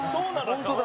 本当だ。